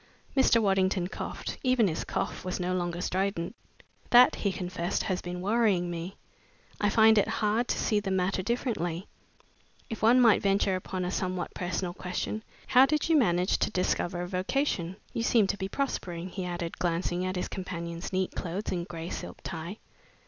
Mr. Waddington coughed. Even his cough was no longer strident. "That," he confessed, "has been worrying me. I find it hard to see the matter differently. If one might venture upon a somewhat personal question, how did you manage to discover a vocation? You seem to be prospering," he added, glancing at his companion's neat clothes and gray silk tie.